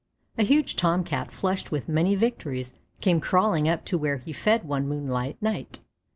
A huge Tom cat flushed with many victories came crawling up to where he fed one moonlight night.